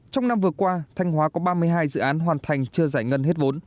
trong năm vừa qua thanh hóa có ba mươi hai dự án hoàn thành chưa giải ngân